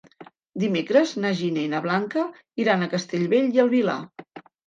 Dimecres na Gina i na Blanca iran a Castellbell i el Vilar.